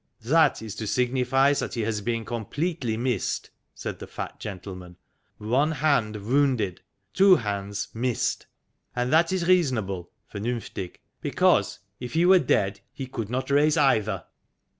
" That is to signify that he has been completely missed," said the fat gentleman. " One hand, wounded ; two hands, missed. And that is reasonable (vernunftig)^ because if he were dead he could not raise either."